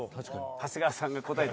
長谷川さんが答えて。